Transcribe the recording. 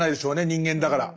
人間だから。